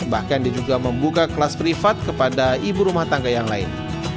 bahkan diduga membuka kelas privat kepada ibu rumah tangga yang lain